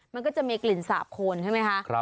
มันก็จะมีกลิ่นสาบโคนใช่ไหมคะ